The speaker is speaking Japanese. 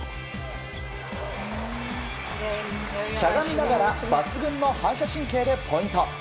しゃがみながら抜群の反射神経でポイント。